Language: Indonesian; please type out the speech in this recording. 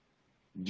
naik turun di serinya